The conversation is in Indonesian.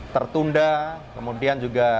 tertunda kemudian juga